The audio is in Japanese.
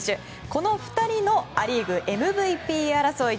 この２人のア・リーグＭＶＰ争い。